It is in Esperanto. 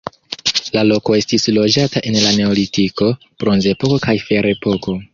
La loko estis loĝata en la neolitiko, bronzepoko kaj ferepoko.